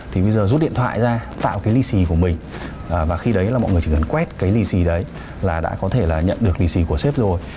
thì bây giờ rút điện thoại ra tạo cái lì xì của mình và khi đấy là mọi người chỉ cần quét cái lì xì đấy là đã có thể là nhận được lì xì của ed rồi